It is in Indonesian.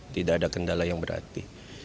tidak ada kendala yang berarti